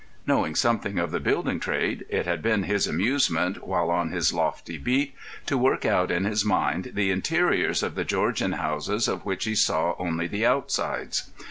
Knowing something of the building trade, it had been his amusement, while on his lofty beat, to work out in his mind the interiors of the Georgian houses of which he saw only the outsides.